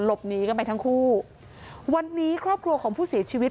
หลบหนีกันไปทั้งคู่วันนี้ครอบครัวของผู้เสียชีวิต